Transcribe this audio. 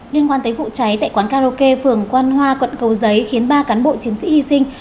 liên quan tới vụ cháy tại quán karaoke phường quan hoa quận cầu giấy khiến ba cán bộ chiến sĩ hy sinh